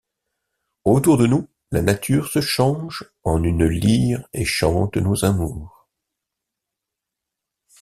Autour de nous la nature se change En une lyre et chante nos amours.